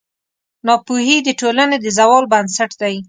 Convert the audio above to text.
ناپوهي د ټولنې د زوال بنسټ دی.